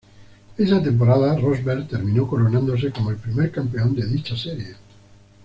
Esa temporada Rosberg terminó coronándose como el primer campeón de dicha serie.